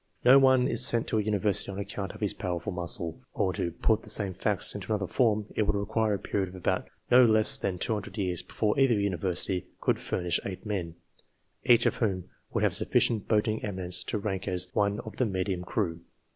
No one is sent to a University on account of his powerful muscle. Or, to put the same facts into another form : it would require a period of no less than 100 years, before either University could furnish eight men, each of whom would have sufficient boating eminence to rank as one of the medium crew.